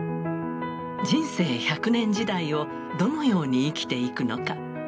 人生１００年時代をどのように生きていくのか。